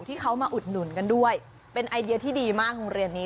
ที่เขามาอุดหนุนกันด้วยเป็นไอเดียที่ดีมากโรงเรียนนี้